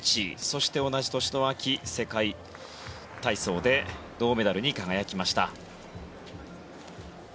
そして同じ年の秋、世界体操で銅メダルに輝きました。